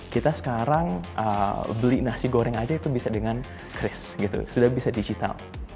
kita sekarang beli nasi goreng aja itu bisa dengan chris gitu sudah bisa digital